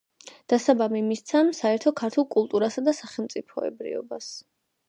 დასაბამი მისცა საერთო ქართულ კულტურასა და სახელმწიფოებრიობას.